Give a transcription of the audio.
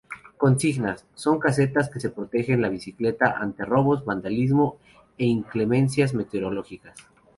Consignas: son casetas que protegen la bicicleta ante robos, vandalismo e inclemencias meteorológicas.